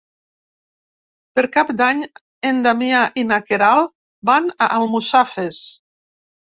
Per Cap d'Any en Damià i na Queralt van a Almussafes.